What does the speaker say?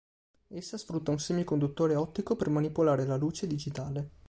Essa sfrutta un semiconduttore ottico per manipolare la luce digitale.